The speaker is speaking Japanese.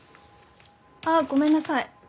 あっごめんなさい